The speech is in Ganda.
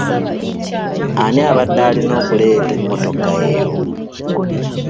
Ani abadde alina okuleeta emmotoka eyo?